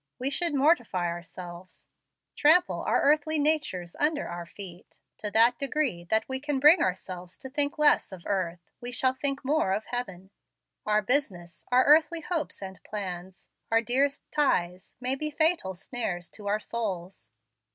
We should mortify ourselves, trample our earthly natures under our feet. To that degree that we can bring ourselves to think less of earth, we shall think more of heaven. Our business, our earthly hopes and plans, our dearest ties, may be fatal snares to our souls.